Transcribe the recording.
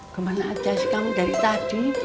kemana aja sih kamu dari tadi